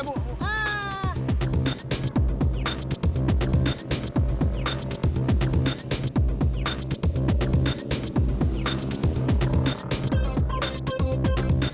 bu nanti kita kehilangan jejak